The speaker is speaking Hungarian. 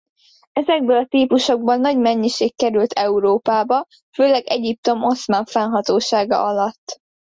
Ezekből a típusokból nagy mennyiség került Európába főleg Egyiptom oszmán fennhatósága alatt.